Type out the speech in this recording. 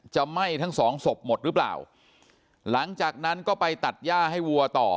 ไหม้ทั้งสองศพหมดหรือเปล่าหลังจากนั้นก็ไปตัดย่าให้วัวต่อ